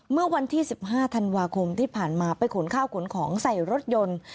เมื่อวันที่๑๕ธันวาคมที่ผ่านมาไปขนข้าวขนของใส่รถยนต์